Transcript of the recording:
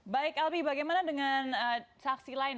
baik albi bagaimana dengan saksi lain